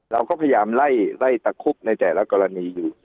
เราก็พยายามไล่ตะคุบในแต่ละกรณีอยู่